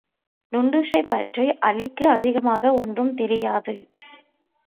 டுன்டுஷைப் பற்றி அலிக்கு அதிகமாக ஒன்றும் தெரியாது.